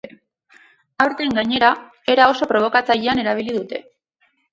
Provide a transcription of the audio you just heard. Aurten, gainera, era oso probokatzailean erabili dute.